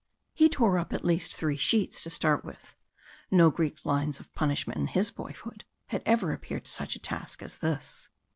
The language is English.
He tore up at least three sheets to start with no Greek lines of punishment in his boyhood had ever appeared such a task as this.